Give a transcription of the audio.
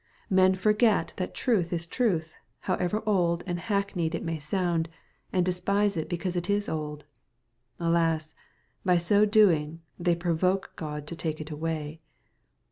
Men forget that truth is truth, however old and hackneyed it may sound, and despise it because it is old. Alas ! by so doing, they provoke God to take it away.